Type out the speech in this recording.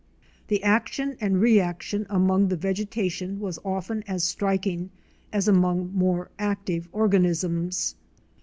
The action and reaction among the vegetation was often as striking as among more active organisms.